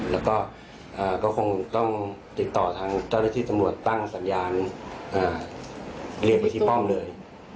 แล้วก็คงต้องติดต่อทางเจ้าหน้าที่ตำรวจตั้งสัญญาณเรียนไปที่ป้อมเลย